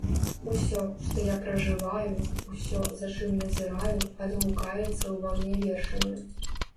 Усё, што я пражываю, усё, за чым назіраю, адгукаецца ўва мне вершамі.